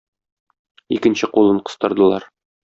Икенче кулын кыстырдылар.